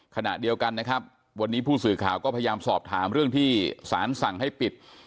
ขณะเดียวกันนะครับวันนี้ผู้สื่อข่าวก็พยายามสอบถามเรื่องที่สารสั่งให้ปิด